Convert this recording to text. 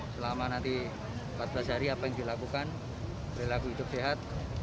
selama nanti empat belas hari apa yang dilakukan perilaku hidup sehat